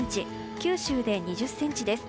九州で２０ｃｍです。